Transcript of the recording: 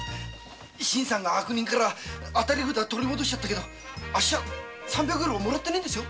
新さんが悪人から当たり札を取り戻しちゃったけど三百両はもらってないんですよ。